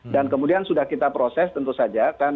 dan kemudian sudah kita proses tentu saja